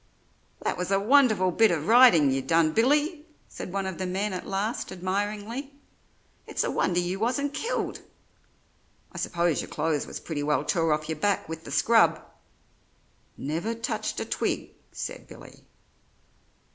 "That was a wonderful bit of ridin' you done, Billy," said one of the men at last, admiringly. "It's a wonder you wasn't killed. I suppose your clothes was pretty well tore off your back with the scrub?" "Never touched a twig," said Billy.